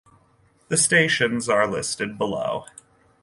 The stations are listed below.